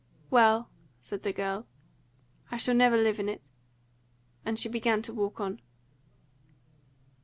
"Well," said the girl, "I shall never live in it," and she began to walk on.